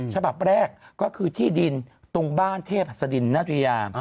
ฉบับแรกก็คือที่ดินตรงบ้านเทพหัสดินนัตริยา